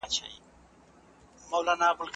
انټرنیټ د علمي پروژو لپاره ښه عواقب لري.